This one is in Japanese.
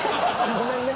ごめんね。